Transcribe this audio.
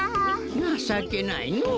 なさけないのう。